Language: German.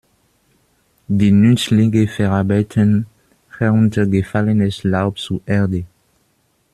Die Nützlinge verarbeiten heruntergefallenes Laub zu Erde.